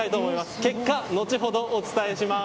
結果、後ほどお伝えします。